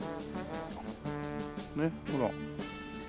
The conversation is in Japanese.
ねっほら。